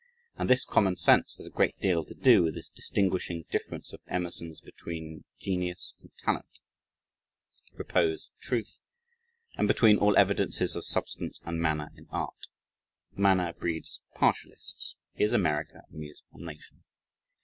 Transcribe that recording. And this common sense has a great deal to do with this distinguishing difference of Emerson's between genius and talent, repose and truth, and between all evidences of substance and manner in art. Manner breeds partialists. "Is America a musical nation?"